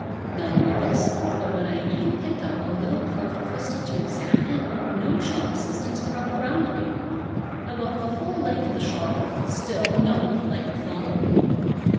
Not only this but when I even picked up a little carved crystal to examine it no shop assistants crowded round me. I walked the whole length of the shop, still no one politely followed.